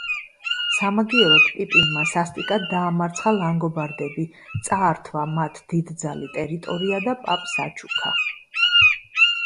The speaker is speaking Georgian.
სამაგიეროდ პიპინმა სასტიკად დაამარცხა ლანგობარდები, წაართვა მათ დიდძალი ტერიტორია და პაპს აჩუქა.